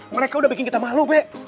mereka sudah bikin kita malu be